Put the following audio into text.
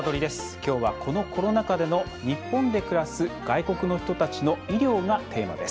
きょうは、このコロナ禍での日本で暮らす外国の人たちの医療がテーマです。